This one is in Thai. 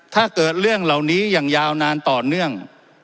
ถ้าเกิดเรื่องเหล่านี้อย่างยาวนานต่อเนื่อง